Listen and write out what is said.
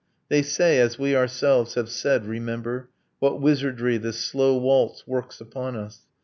. They say (as we ourselves have said, remember) 'What wizardry this slow waltz works upon us!